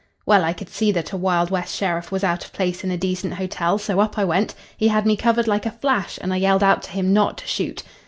"Well, I could see that a Wild West sheriff was out of place in a decent hotel, so up I went. He had me covered like a flash, and I yelled out to him not to shoot.